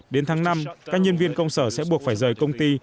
đến tháng năm các nhân viên công sở sẽ buộc phải rời công ty